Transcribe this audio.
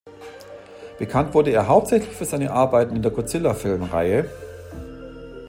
Bekannt wurde er hauptsächlich für seine Arbeiten in der Godzilla-Filmreihe.